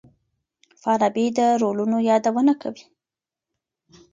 فارابي د رولونو يادونه کوي.